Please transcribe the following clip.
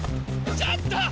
ちょっと！